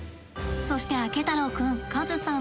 そしてあけ太郎くんカズさん